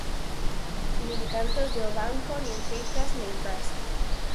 Nin cartos do banco, nin fincas, nin casa.